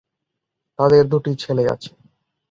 তাঁদের দুটি ছেলে আছে।